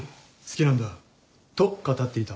好きなんだと語っていた。